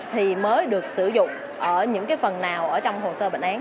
thì mới được sử dụng ở những phần nào ở trong hồ sơ bệnh án